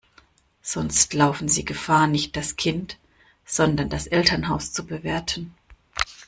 Sonst laufen sie Gefahr, nicht das Kind, sondern das Elternhaus zu bewerten.